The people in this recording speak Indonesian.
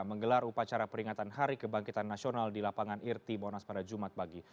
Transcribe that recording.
menggelar upacara peringatan hari kebangkitan nasional di lapangan irti monas pada jumat pagi